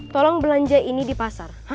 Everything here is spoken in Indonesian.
tolong belanja ini di pasar